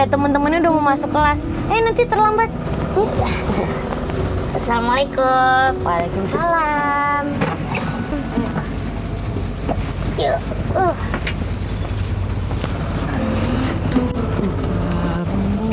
juga temen temen udah mau masuk kelas nanti terlambat assalamualaikum waalaikumsalam